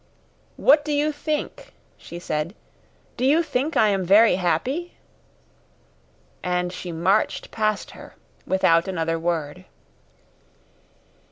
"What do you think?" she said. "Do you think I am very happy?" And she marched past her without another word.